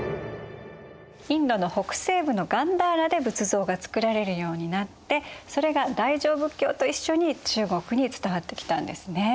インドの北西部のガンダーラで仏像が作られるようになってそれが大乗仏教と一緒に中国に伝わってきたんですね。